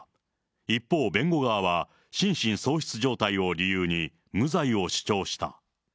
一方、弁護側は心神喪失状態を理由に無罪を主張した。